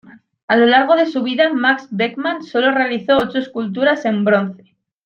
A lo largo de su vida Max Beckman sólo realizó ocho esculturas en bronce.